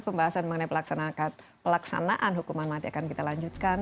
pembahasan mengenai pelaksanaan hukuman mati akan kita lanjutkan